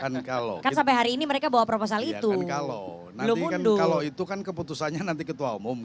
nanti kan kalau itu kan keputusannya nanti ketua umum